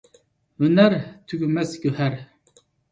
ھۆنەر – تۈگىمەس گۆھەر.